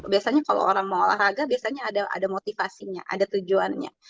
biasanya kalau orang mau olahraga biasanya ada motivasinya ada tujuannya